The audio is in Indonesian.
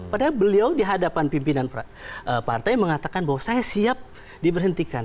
padahal beliau di hadapan pimpinan partai mengatakan bahwa saya siap diberhentikan